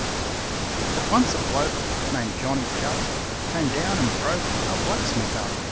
But once a bloke Named Johnny Jupp Came down and broke Our blacksmith up.